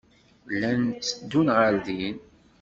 Llan tteddun ɣer din.